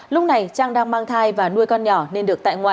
lúc này trang đang mang thai và nuôi con nhỏ nên được tại ngoại